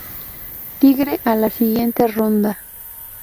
Tigre a la siguiente ronda.